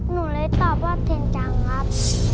หนูเลยตอบว่าเป็นจังครับ